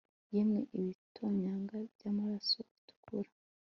Yemwe ibitonyanga byamaraso bitukura